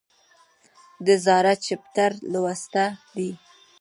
د زاړه چپټر لوسته دي